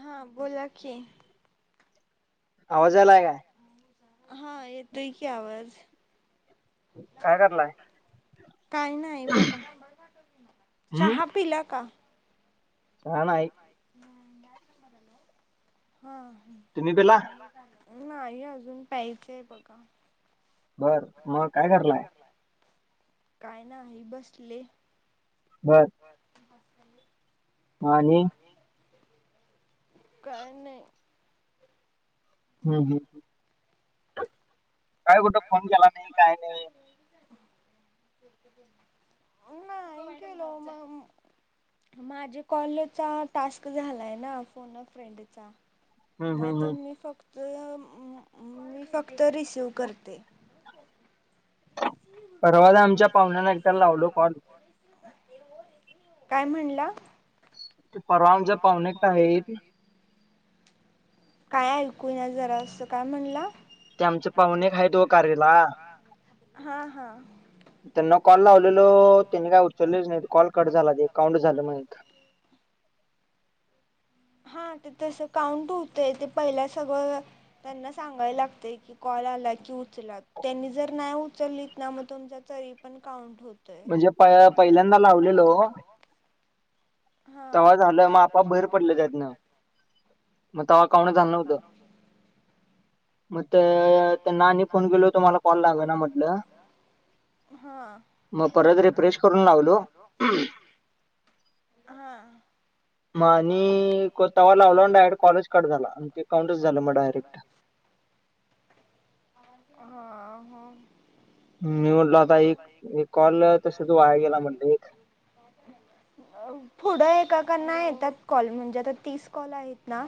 हा, बोला की. आवाज याय लागलाय का नाही? हा, येतोय की आवाज. काय करालाय? काय नाही बघा, चहा पिला का? चहा नाही. [unintelligible] हा हा. तुम्ही पिला? नाही अजून, प्यायचंय बघा. बर, मग काय करलाय? काय नाही, बसले. बर. बर, आणि? काय नाही. हम्म हम्, काय कुठं फोन केला नाही? काय नाही? नाही केलो, म माझे कॉलचा टास्क झालाय ना, फोन अं फ्रेंडचा. मग आता मी फक्त, मी फक्त रिसिव्ह करते. परवाला आमच्या पाहुण्यांना एकट्याला लावलो कॉल. काय म्हणला? परवा आमचे पाहुण्या एकटं आहेत. काय ऐकू ये ना जरासं, काय म्हणला? ते आमचे पाहुणे एक आहेत ओ कार्यला. हा हा. त्यांना कॉल लावलेलो, त्यांनी काय उचललेच नाहीत, कॉल कट झाला ते काउंट झालं मग एक. हा ते तसं काउंट होतंय, ते पहिला सगळं, त्यांना सांगाय लागतय की कॉल आला की उचला, त्यांनी जर नाही उचललीत ना, मग तुमच्या तरी पण काउंट होत म्हणजे प पहिल्यांदा लावलेलो. तवा झालं, मग आपोआप बाहेर पडलं त्यातनं, मग तवा काऊंट झालं नव्हतं. मग ते, त्यांना आणि फोन केलो तुम्हाला कॉल लागना म्हटलं. हा, मग परत रिफ्रेश करून लावलो. हा. मग आणि क तवा लावलो आनी डायरेक्ट कॉलच कट झाला, आणि ते काउंटच झालं मग डायरेक्ट. हा हो. मी म्हटल आता एक, एक कॉल तसच वाया गेला म्हटलं एक. पुढं एका कानां येत्यात कॉल, म्हणजे आता तीस कॉल आहेत ना,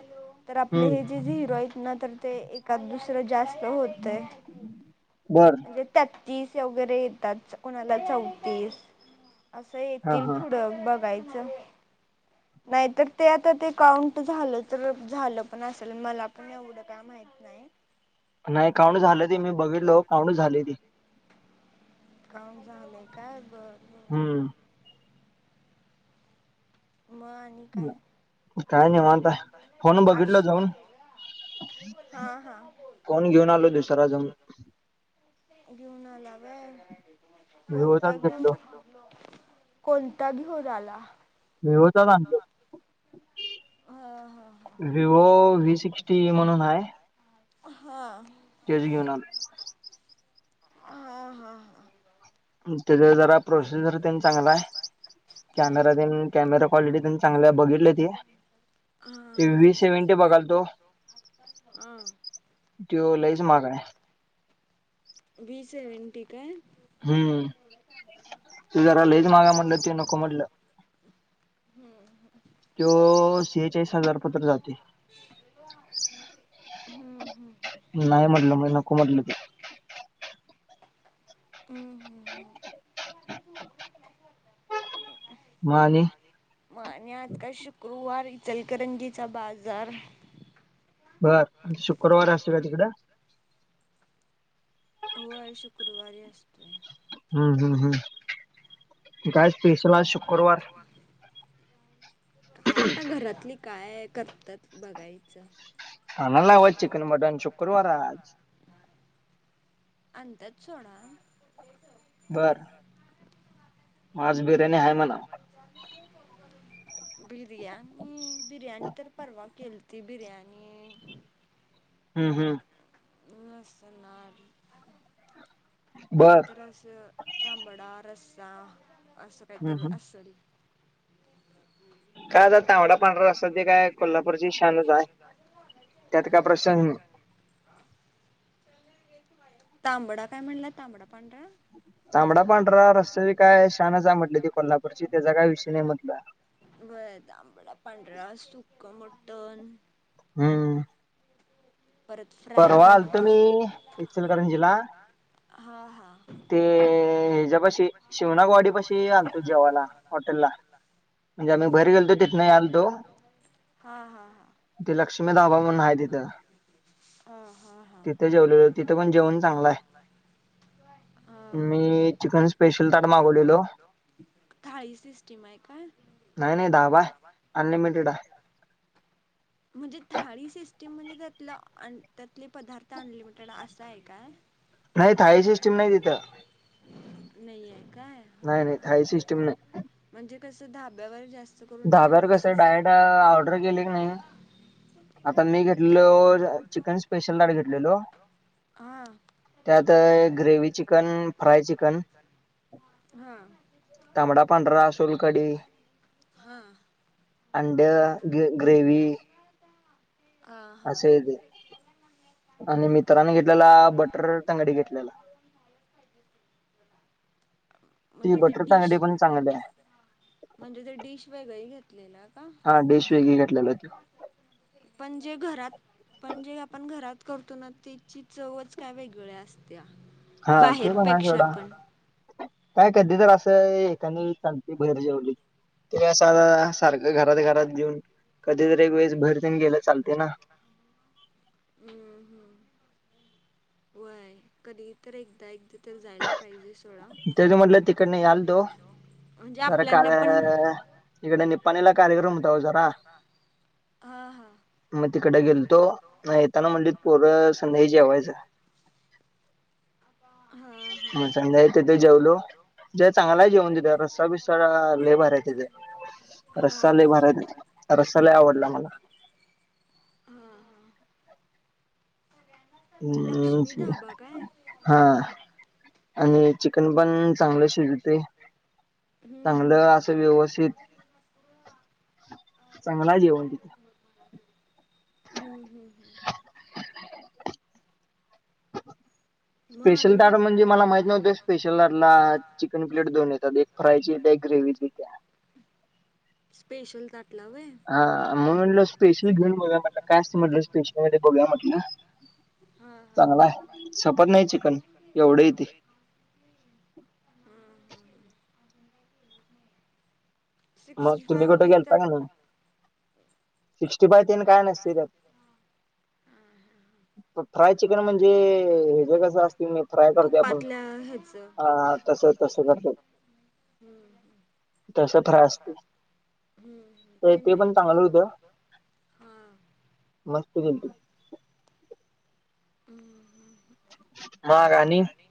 तर आपले हे जे जे झीरो आहेत ना, तर ते एकाद दुसरं जास्त स्त होतय, म्हणजे त्यत्तीस वगैरे येतात, कोनाला चौतीस असं येतील पुढं बघायचं. नाहीतर ते आता ते, काउंट झालं तर झालं पण असल, मला पण एवढं काय माहित नाहि. नाही काऊंट झालंय ते, मी बघितलो काऊंट झालय ते. काऊंट झालंय काय बर बर. हूम्म मग आणि काय? काय निवांत हाय, आशी हा हा, फोण घेऊन आलो दुसराच. घेऊन आला व्हय, कोणता घेऊन? कोणता घेऊन आला? वी वो चाच आणलो. व्ही वो व्ही सिक्स्टी म्हणून हाय. हां. तेच घेऊन आलोय. ह हा हा. तेज जरा प्रोसीजर तेन चांगलाय, कॅमेरा तेन कॅमेरा क्वालिटी तेन चांगली हाय, बघितलो ते. हा हा, चुविस चुवीस चे बघालतो. त्यो लईच महाग हाय. वी सेव्हेंटी काय? हुं. तो जरा लईच महाग हाय म्हटलं, ते नको म्हटलं. हुं. त्यो सेहेचाळीस हजार पतर जातोय. नाही म्हटलं म्ह, नको म्हटलं ते. हू हू. म आणि? म आणि आज काय शुक्रुवार इ इचलकरजीचा [inaudible] बाजार बर आणि शुक्रवार असतो का तिकडं? हो आहे शुक्रवारी असतोय. हू हू हू मग काय स्पेशल आज शुकुरवार? काय आता, घरातली काय करतात बघायचं? आनाय लावायच चिकन मटन, शुक्रवार हाय आज. आंत्यात सोडा बर. हाय म्हणा. विचारून बघते. बिर्याणी, बिर्याणी तर परवा केल ती बिर्याणी. हू हू. मी असणार? काहीतर असं, तांबडा रस्सा असं. बतरं अस्सलं. कायं जातं. कायंवडा पांढरा वाजतां ते कायं कोल्हापूरची शांतत कां प्रश तांबडा कायं म्हणलां तांबडा पांढरा तांबडा पांढरा रसयाजी कायं शांनचा म्हटली ती कोल्हापूरची त्यांचा कायं विषय नाहीं म्हटलं. बरं तांबड पांढरा सुकं मटंण. हम्मं. पर्वा आलं तुं म्ही इचलंकरंजीला. हां हां. ते हेच्यांपाशी शिवनांगवाडीपाशी आणतो जेव्हांयला हॉटेल लां. मही बरी करतो ते नाहीं आतो हां हां हां. ते लक्ष्मीधांबा म्हंण आहे तिथं. हम्मं हां हां. तिथे जेवलेल तिथे पणं जेवणं चांगला आहे. मी चिकन स्पेशल तांट मागवलेलो. थाळी सिस्टीम आहे कां? म्हणजे थाळी सिस्टीम म्हणजे त्यातलं त्यांतले पदार्थ अनलिमिटेड असां आहे कां. नाहीं थाळी सिस्टीम नाहीं तिथं. नाहीं आहे कायं. नाहीं नाहीं थाडि सिस्टम नाहीं. म्हणजे कसं धाब्यांवर जास्तं करूंन थालूचसत. आंता मी घेतलेलो चिकनं स्पेशलंट घेतलेलो. हां. त्यांत ग्रेवी चिकन फ्राय चिकन. हां पधरा पधरा हां. अंड्या गं ग्रेवी. असे यं ते आणि मित्रांने घेतलेला बटंर टंगडी घेतलेला. ती बटंर तांगडी पणं चांगलं आहे म्हणजे ते डिश वगैरें घेतलेलं का म्हंणजे घरांत पणं जे आपणं घरांत करतो नां त्यांची चवंच कायं वेगळ्यां असत्यां बाहेर पेक्षां पणं कायं कधीं तरं असं एकाने चगती बाहेर जेवली ते असं आं सारखं घरांत घरांत येेऊन कधींतरी एक वेळेस भरं देऊन गेलं चालते नां हम्मं हम्मं वयं कधीं तरं एकदां एकदाचं तरं जायंला पाहिजे सोंड म्हणजे आपल्यां पणं इकडंडे पणीलां कार्यक्रम हां हां मंग तिकडं गेलतो येतांना म्हंजत पोरं संध्या जेवायचं हां मं पहिल्या संजा तिथे जेवलो जे चांगला जेवणं तिथे रसां बीसां लंय भारी आहे तिथे रसां ले भारी आहे तो की रसांलंय आवडलां मंला हम्मं हम्मं हम्म हा आणि चिकन पण चांगलं शिजते. हम्म हम्म असं चांगलं आहे जेवण तिथे हम्म हम्म हम्म स्पेशल ताट म्हणजे मला माहित नव्हते स्पेशल ताटला चिकन प्लेट दोन येतात. फ्रायची त्याची ग्रेवीची त्याची स्पेशल ताटला होय? हा मग म्हणून स्पेशल घेऊन बघूया म्हटलं काय असतं म्हटलं स्पेशल मध्ये बघूया म्हटलं चांगला आहे. सपत नाही चिकन एवढं येतंय. मग तुम्ही कुठं गेलता का नाही? सिक्स्टी फाय तेन काय नसते त्यात फ्राय चिकन म्हणजे हे कसं असतील मी फ्राय करते आपण तसंच तसं करतेत. हम्म ते माहिती आहे हा मस्त केलते मग आणि?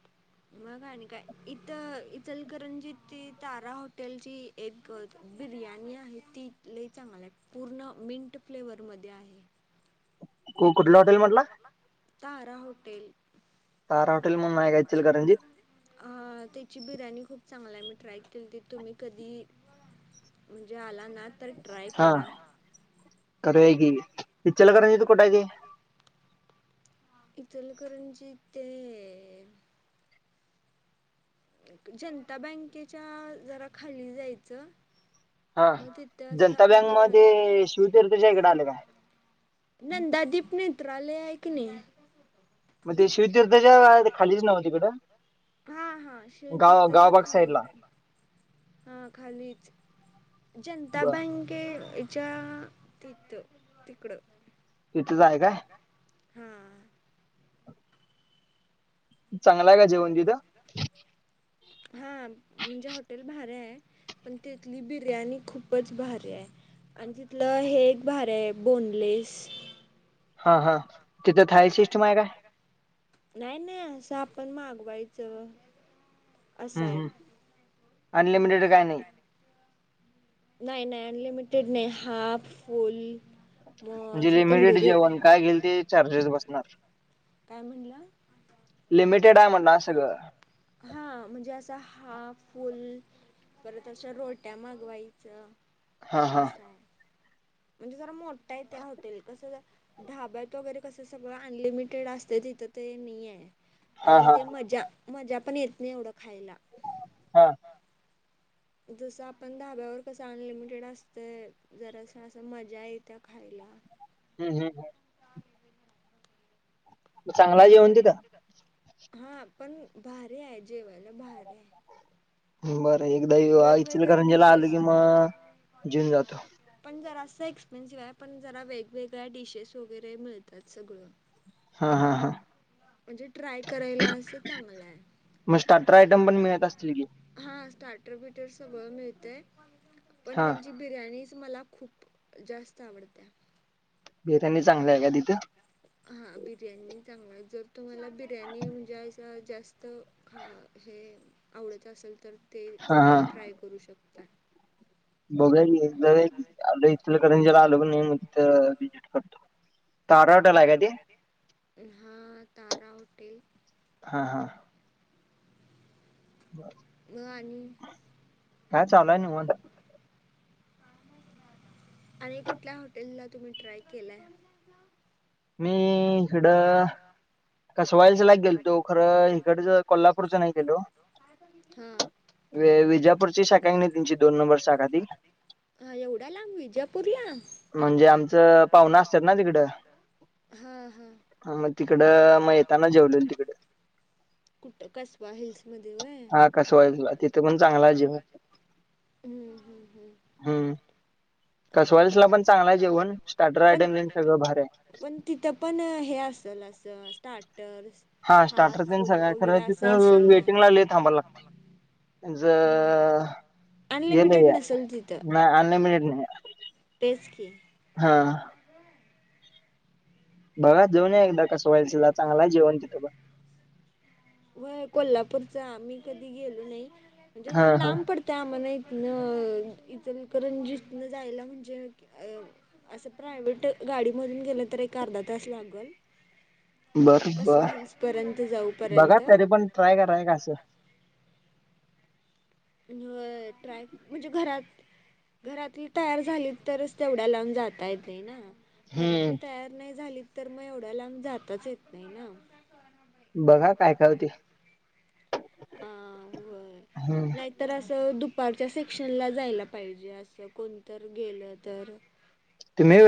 मग काय नाही काय इथं इचलकरंजी ते तारा हॉटेलची एक बिर्याणी आहे ती लय चांगली आहे पूर्ण मिंट फ्लेवरमध्ये आहे. तु कुठंला हॉटेल म्हंटला तारा हॉटेल. तारा हॉटेल म्हणून आहे काय इचलकरंजीत? हा त्याची बिर्याणी खूप चांगली आहे मी ट्राय केलती त तुम्ही कधीही म्हणजे आला ना तर ट्राय करा. करु या कि इचलकरंजीत कुठे ती? इथलकरंजी ते जनता बँकेच्या जरा खाली जायचं. हा जनता बँक मध्ये शिवतीर्थच्या इकडे आलं काय? नंदादीप नेत्रालया आहे का नाही? मग ते शिवतीर्थाच्या खालीच नाव तिकडं? हा हा शिवतीर्थ च्या खाली हा खालीच. जनता बँकेच्या तिथं तिकडं तिथेच आहे. तिथेच आहे का हा चांगला आहे का जेवण तिथं हा म्हणजे हॉटेल भारी आहे. पण तिथली बिर्याणी खूपच भारी आहे. आणि तिथलं हे एक भारी आहे बोनलेस. हा हा नाही नाही असं आपण मागवायचं. असय. अनलिमिटेड काही नाही? नाही नाही अनलिमिटेड नाही हाफ फुल मग अशा तदुरी काय म्हणला हा म्हणजे असं हाफ फुल परत अशा रोट्या मागवायचं असं आहे. म्हणजे जरा मोठा आहे ते हॉटेल कसं ढाब्यात वगैरे कसं सगळं अनलिमिटेड असते तिथं ते नाही आहे. त्यामुळे ते मजा, मजा पण येत नाही एवढं खायला. हा. जसं आपण धाब्यावर कसं अनलिमिटेड असतय, जरास अस मजा येत्या खायला. हम हम चांगला हाय जेवण तिथं, हा पण भारी आहे जेवायला भारी आहे. बरं एकदा इचलकरंजीला आलो की मगं जेऊन जातो. पण जरा असं एक्सपेन्सिव्ह आहे, पण जरा वेगवेगळ्या डिशेस वगैरे मिळतात सगळं. हा हा हा. म्हणजे ट्राय करायला असं चांगलं आहे. पण हा स्टार्टर बीटर सगळं मिळतय पण त्यांची बिर्याणीच मला खूप जास्त आवडत्या. बिर्याणी चांगली आहे का तिथं हा बिर्याणी चांगला जर तुम्हाला बिर्याणी म्हणजे असं जास्त हा हे आवडतं असेल तर ते तिथलं ट्राय करू शकता. बघुया की आलं इचलकरंजीला आलो की नाही, [inaudible] तारा हॉटेल आहे का ते हा तारा हॉटेल. हा हा. म आणि हा चालू हाय निवांत. आणि कुठल्या हॉटेल ला तुम्ही ट्राय केलाय. मी इकडं कसबा हिल्स ला गेल तो खरं इकडेच कोल्हापूरचा नाही गेलो. विजापूरची शाखा हाय की नाही त्यांची दोन नंबर शाखा ती ह एवढा लांब विजापूर ला, म्हणजे आमच पाहुन असत्यात ना तिकड हा हा. ह मग तिकडं येताना जेवलेल तिकडे कुठ कसबा हिल्स मध्ये होय, हा कसबा हिल्स तेपण चागलं आहे. हम्म हम्म हम्म. हम्म कसबा हिल्स ला पण चांगला हाय जेवण स्टार्टर आयटम तेन सगळं भारी आहे. पण तिथं पण हे असल असं स्टार्टर्स हा स्टार्टर तेन सगळ हाय, खरं तिथ वेटिंग ला लई थांबायला लागते. [inaudible] अनलिमिटेड नाही. तेच की बघा जेऊन या एकदा कसबा हिल्स ला चांगला हाय जेवण तिथं. हो कोल्हापूरच आम्ही कधी गेलो नाही म्हणजे लांब पडत त्या आम्हाला इथन इचलकरजीतन जायला म्हणजे असं प्रायव्हेट गाडी मधून गेलं तर एक अर्धा तास लागल. कसबा हिल्स पर्यंत जाऊपर्यंत ट्रय म्हणजे घरात घरातील तयार झाली तरच तेवढ्या लांब जाता येते ना. घरातली तयार नाही झाली तर मग एवढ्या लांब जाताच येत नाही ना. बघा काय काय होतय. अ हो लाईक [unintelligible] तर असं दुपारच्या सेक्शनला जायला पाहिजे असं कोणत तर गेलं तर तुम्ही